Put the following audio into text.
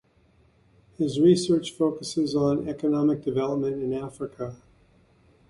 His research focuses on economic development in Africa.